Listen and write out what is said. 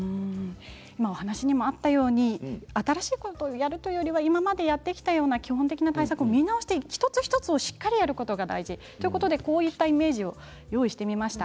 今お話にもあったように新しいことをやるというよりも今までやってきた基本的な対策を見直して一つ一つをしっかりやることが大事ということでこういったイメージを用意してみました。